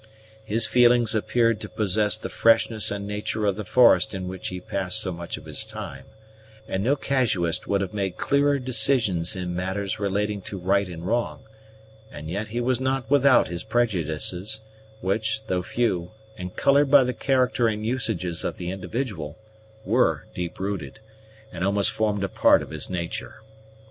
His feelings appeared to possess the freshness and nature of the forest in which he passed so much of his time; and no casuist could have made clearer decisions in matters relating to right and wrong; and yet he was not without his prejudices, which, though few, and colored by the character and usages of the individual, were deep rooted, and almost formed a part of his nature.